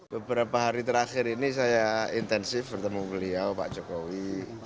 beberapa hari terakhir ini saya intensif bertemu beliau pak jokowi